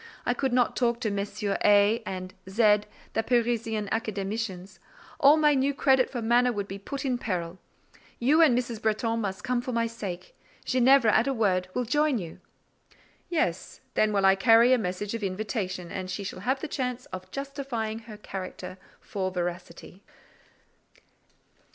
I could not talk to Messieurs A—— and Z——, the Parisian Academicians: all my new credit for manner would be put in peril. You and Mrs. Bretton must come for my sake; Ginevra, at a word, will join you." "Yes; then I will carry a message of invitation, and she shall have the chance of justifying her character for veracity."